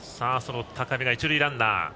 その高部が一塁ランナー。